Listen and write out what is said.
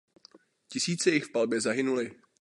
Tisíce jich v palbě zahynuly.